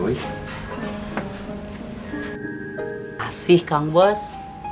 masih kang bos